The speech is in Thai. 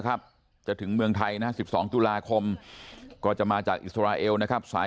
ครับจะถึงเมืองไทยนะ๑๒ตุลาคมก็จะมาจากอิสราเอลนะครับสาย